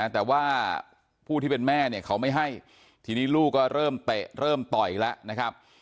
แต่ว่าผู้ที่เป็นแม่เนี่ยเขาไม่ให้ทีนี้ลูกก็เริ่มเตะเริ่มต่อยแล้วนะครับ